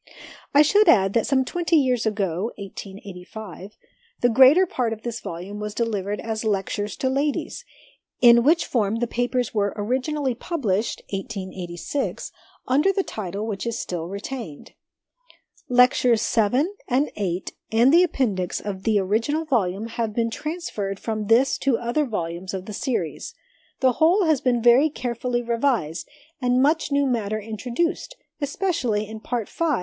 I should add that some twenty years ago (1885) the greater part of this volume was delivered as ' Lectures to Ladies,' in which form the papers were originally published (1886) under the title which is still retained. XX PREFACE TO THE FOURTH EDITION Lectures VII. and VIII. and the Appendix of the original volume have been transferred from this to other volumes of the Series. The whole has been very carefully revised, and much new matter introduced, especially in Part V.